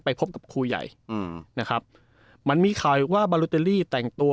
ไปพบกับครูใหญ่อืมนะครับมันมีข่าวอีกว่าแต่งตัว